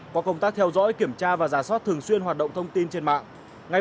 qua công tác theo dõi kiểm tra và giả soát thường xuyên hoạt động thông tin trên mạng